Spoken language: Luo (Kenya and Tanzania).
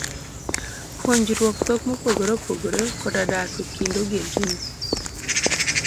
Puonjruok dhok mopogore opogore, koda dak e kind ogendini